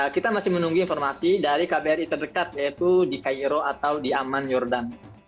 kita masih menunggu informasi dari kbri terdekat yaitu di cairo atau di aman jordan